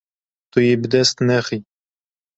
Tu yê bi dest nexî.